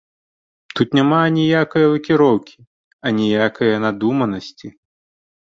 Тут няма аніякае лакіроўкі, аніякае надуманасці.